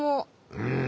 うん。